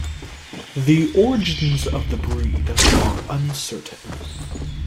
The origins of the breed are uncertain.